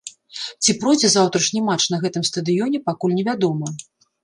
Ці пройдзе заўтрашні матч на гэтым стадыёне, пакуль невядома.